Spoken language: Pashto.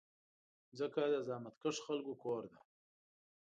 مځکه د زحمتکښو خلکو کور ده.